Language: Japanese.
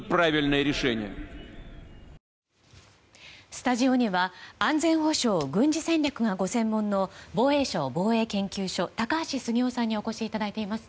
スタジオには安全保障、軍事戦略がご専門の防衛省防衛研究所高橋杉雄さんにお越しいただいています。